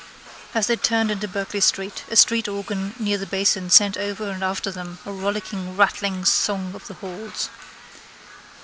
As they turned into Berkeley street a streetorgan near the Basin sent over and after them a rollicking rattling song of the halls.